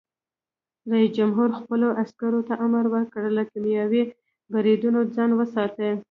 رئیس جمهور خپلو عسکرو ته امر وکړ؛ له کیمیاوي بریدونو ځان وساتئ!